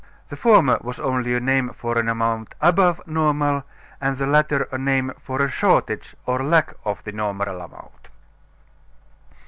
The former was only a name for an amount above normal and the latter a name for a shortage or lack of the normal amount.